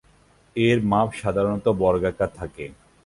এর মাপ সাধারণত বর্গাকার থাকে।